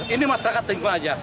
ini masyarakat tinggal saja